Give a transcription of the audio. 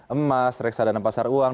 emas reksadana pasar uang